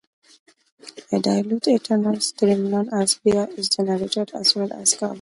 A dilute ethanol stream, known as beer, is generated as well as carbon dioxide.